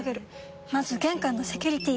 まず玄関のセキュリティ！